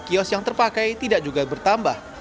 kios yang terpakai tidak juga bertambah